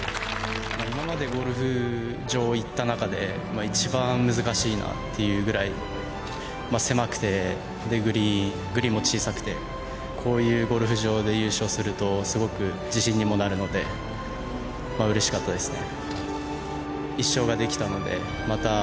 今までゴルフ場行った中で一番難しいなっていうぐらい狭くてグリーンも小さくてこういうゴルフ場で優勝するとすごく自信にもなるのでうれしかったですね。